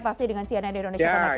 pasti dengan sianen indonesia